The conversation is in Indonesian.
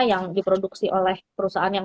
yang diproduksi oleh perusahaan yang